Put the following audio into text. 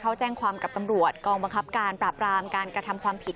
เขาแจ้งความกับตำรวจกองบังคับการปราบรามการกระทำความผิด